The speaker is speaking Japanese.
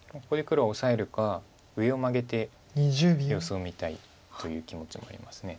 ここで黒はオサえるか上をマゲて様子を見たいという気持ちもあります。